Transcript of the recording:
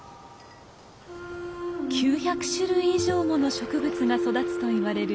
９００種類以上もの植物が育つといわれる尾瀬。